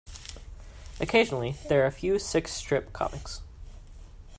Occasionally, there are a few six-strip comics.